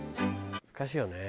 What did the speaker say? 難しいよね。